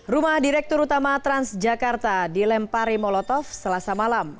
rumah direktur utama transjakarta dilempari molotov selasa malam